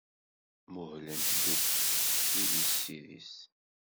Muhlent ddukkli idis s idis.